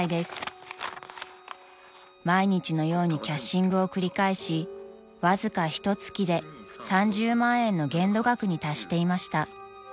［毎日のようにキャッシングを繰り返しわずかひとつきで３０万円の限度額に達していました］